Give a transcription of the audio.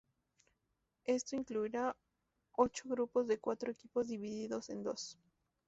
Esto incluirá ocho grupos de cuatro equipos divididos en dos.